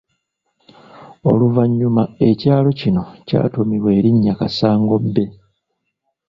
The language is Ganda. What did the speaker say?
Oluvannyuma ekyalo kino kyatuumibwa erinnya Kaasangombe.